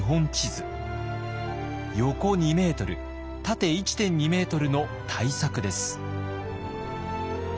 横２ｍ縦１．２ｍの大作です。